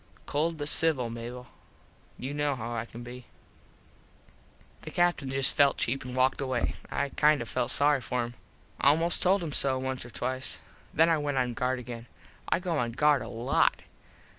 Cold but civil, Mable. You kno how I can be. The Captin just felt cheap an walked away. I kind of felt sorry for him. Almost told him so once or twice. Then I went on guard again. I go on guard a lot.